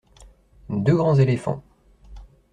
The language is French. Deux grands éléphants.